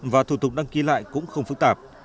và thủ tục đăng ký lại cũng không phức tạp